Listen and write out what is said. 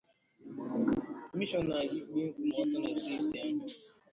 Kọmishọna ikpe nkwụmọtọ na steeti ahụ